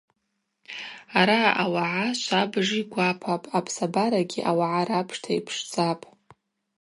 Араъа ауагӏа швабыж йгвапапӏ, апсабарагьи ауагӏа рапшта йпшдзапӏ.